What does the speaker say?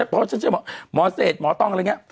พอเชื่อหมอเศรษหมอต้องอะไรเงี้ย